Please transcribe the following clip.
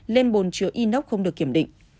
lên bồn chứa inox không được kiểm định